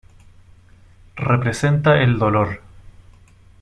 Representa el Dolor.